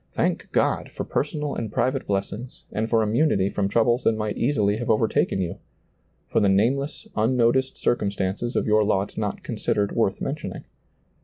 Thank God for personal and private blessings and for immunity from troubles that might easily have overtaken you ; for the nameless, unnoticed circumstances of your lot not considered worth mentioning.